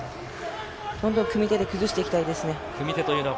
組み手で崩していきたいですね。